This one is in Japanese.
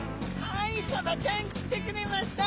はいサバちゃん来てくれました。